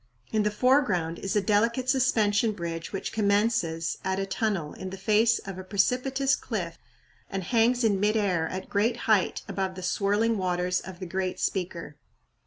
In the foreground is a delicate suspension bridge which commences at a tunnel in the face of a precipitous cliff and hangs in mid air at great height above the swirling waters of the "great speaker."